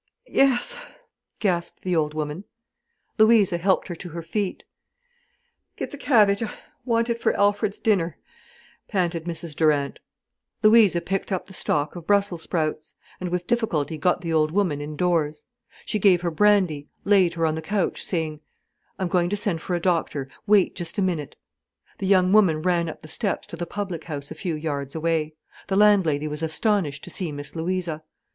"Yes," gasped the old woman. Louisa helped her to her feet. "Get the cabbage—I want it for Alfred's dinner," panted Mrs Durant. Louisa picked up the stalk of brussel sprouts, and with difficulty got the old woman indoors. She gave her brandy, laid her on the couch, saying: "I'm going to send for a doctor—wait just a minute." The young woman ran up the steps to the public house a few yards away. The landlady was astonished to see Miss Louisa.